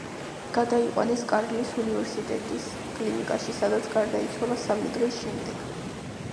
გადაიყვანეს კარლის უნივერსიტეტის კლინიკაში სადაც გარდაიცვალა სამი დღის შემდეგ.